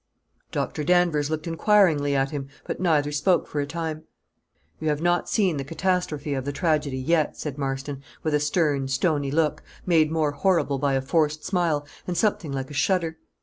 Doctor Danvers looked inquiringly at him; but neither spoke for a time. "You have not seen the catastrophe of the tragedy yet," said Marston, with a stern, stony look, made more horrible by a forced smile and something like a shudder.